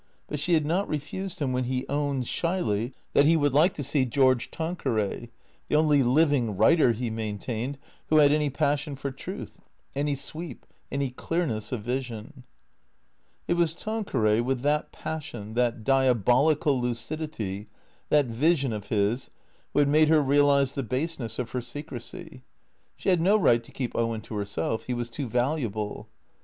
But she had not refused him when he owned, shyly, that he would like to see George Tanqueray, the only living writer, he maintained, who had any passion for truth, any sweep, any clearness of vision. It was Tanqueray, with that passion, that diabolical lucidity, that vision of his, who had made her realize the baseness of her secrecy. She had no right to keep Owen to herself. He was too valuable.